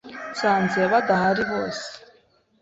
Nsanze badahari bose